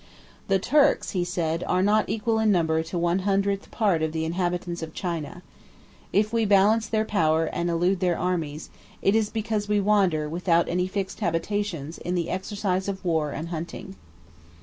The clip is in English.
"The Turks," he said, "are not equal in number to one hundredth part of the inhabitants of China. If we balance their power, and elude their armies, it is because we wander without any fixed habitations in the exercise of war and hunting.